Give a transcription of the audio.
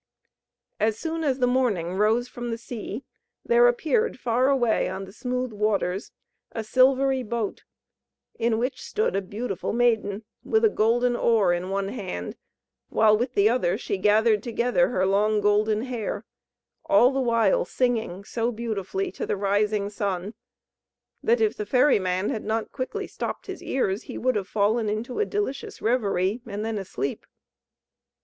As soon as the morning rose from the sea, there appeared far away on the smooth waters a silvery boat, in which stood a beautiful maiden, with a golden oar in one hand, while with the other she gathered together her long golden hair, all the while singing so beautifully to the rising sun, that, if the ferry man had not quickly stopped his ears, he would have fallen into a delicious reverie, and then asleep.